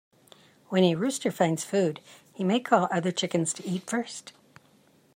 When a rooster finds food, he may call other chickens to eat first.